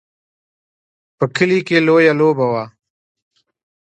په کلي کې لویه لوبه وه.